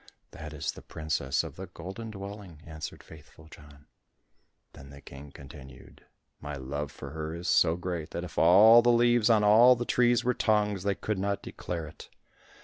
"That is the princess of the Golden Dwelling," answered Faithful John. Then the King continued, "My love for her is so great, that if all the leaves on all the trees were tongues, they could not declare it.